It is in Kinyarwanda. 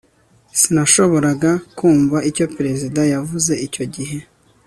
sinashoboraga kumva icyo perezida yavuze icyo gihe